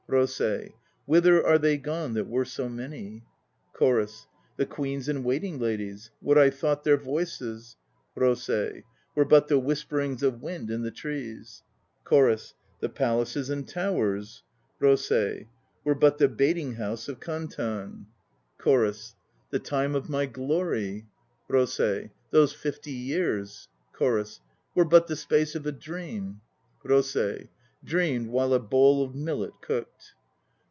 ROSEI. Whither are they gone that were so many ... CHORUS. *The queens and waiting ladies? What I thought their voices" ROSEI. Were but the whisperings of wind in the trees. CHORUS. The palaces and towers ROSEI. Were but the baiting house of Kantan. 164 THE NO PLAYS OF JAPAN CHORUS. The time of my glory, ROSEI. Those fifty years, CHORUS. Were but the space of a dream, ROSEI. Dreamed while a bowl of millet cooked!